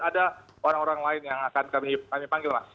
ada orang orang lain yang akan kami panggil mas